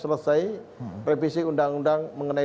selesai revisi undang undang mengenai